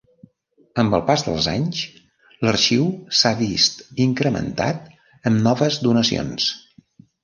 Amb el pas dels anys l'Arxiu s'ha vist incrementat amb noves donacions.